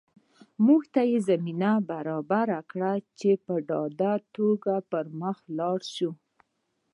موږ ته یې زمینه برابره کړې چې په ډاډه توګه پر مخ لاړ شو